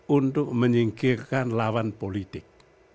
untuk menyingkirkan lawan politik